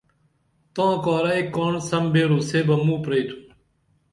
تاں کارہ ایک کاڻ سمبیرو سے بہ موں پرئتِھم